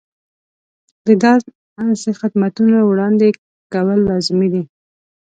د داسې خدمتونو وړاندې کول لازمي دي.